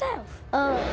ああ！